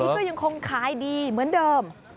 ตอนนี้ก็ยังคงขายดีเหมือนเดิม